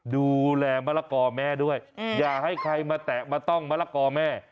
มะละกอแม่ด้วยอย่าให้ใครมาแตะมาต้องมะละกอแม่